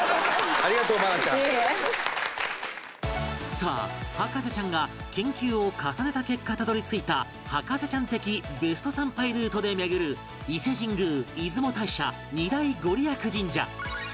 さあ博士ちゃんが研究を重ねた結果たどり着いた博士ちゃん的ベスト参拝ルートで巡る伊勢神宮出雲大社２大ご利益神社